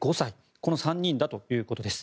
この３人だということです。